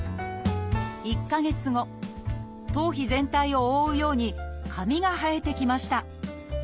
１か月後頭皮全体を覆うように髪が生えてきました。